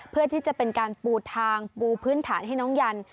เพื่อที่จะเป็นการปูทางปูพื้นฐานให้น้องยัน